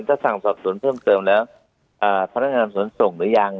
ถ้าสั่งสอบสวนเพิ่มเติมแล้วพนักงานสวนส่งหรือยัง